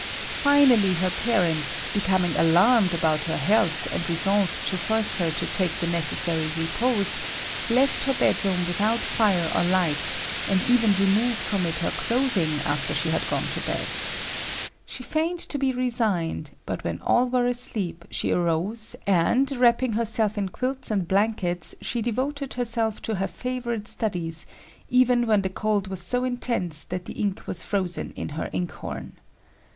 Finally her parents, becoming alarmed about her health and resolved to force her to take the necessary repose, left her bedroom without fire or light, and even removed from it her clothing after she had gone to bed. She feigned to be resigned; but when all were asleep, she arose and, wrapping herself in quilts and blankets, she devoted herself to her favorite studies, even when the cold was so intense that the ink was frozen in her ink horn.